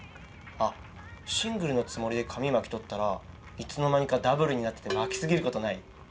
あっシングルのつもりで紙を巻き取ったらいつの間にかダブルになってて巻き過ぎる事ない？